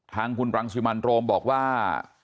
ทางคุณรังสิมันโรมบอกว่า